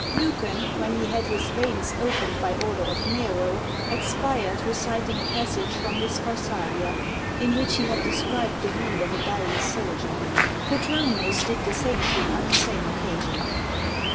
Lucan, when he had his veins opened by order of Nero, expired reciting a passage from his Pharsalia, in which he had described the wound of a dying soldier. Petronius did the same thing on the same occasion.